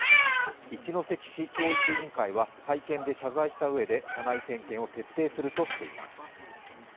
一関市教育委員会は会見で謝罪したうえで車内点検を徹底するとしています。